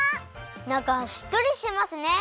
なかはしっとりしてますね！